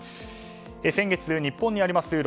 先月、日本にあります